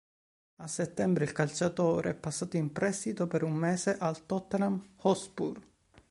A settembre il calciatore è passato in prestito per un mese al Tottenham Hotspur.